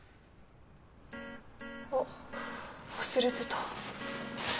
あっ忘れてた。